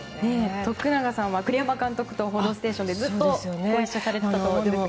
徳永さんは、栗山監督と「報道ステーション」でずっとご一緒されていたと思いますが。